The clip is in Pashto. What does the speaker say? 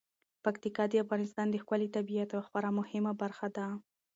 پکتیکا د افغانستان د ښکلي طبیعت یوه خورا مهمه برخه ده.